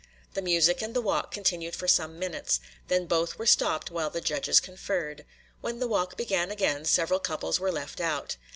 The music and the walk continued for some minutes; then both were stopped while the judges conferred; when the walk began again, several couples were left out.